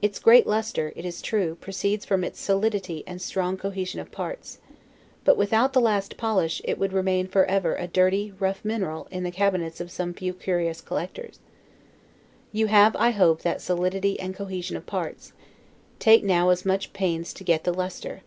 Its great lustre, it is true, proceeds from its solidity and strong cohesion of parts; but without the last polish, it would remain forever a dirty, rough mineral, in the cabinets of some few curious collectors. You have; I hope, that solidity and cohesion of parts; take now as much pains to get the lustre.